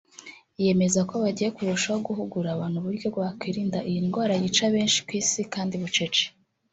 yemeza ko bagiye kurushaho guhugura abantu uburyo bakwirinda iyi ndwara yica benshi ku isi kandi bucece